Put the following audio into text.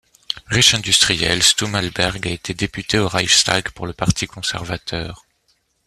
Riche industriel, Stumm-Halberg a été député au Reichstag pour le parti conservateur.